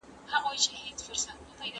د کُنت ميتود تر پخوانيو ميتودونو ښه و.